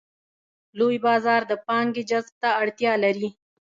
لوی بازار د پانګې جذب ته اړتیا لري.